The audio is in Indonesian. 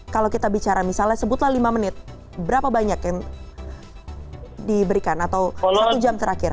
kalau kita bicara misalnya sebutlah lima menit berapa banyak yang diberikan atau satu jam terakhir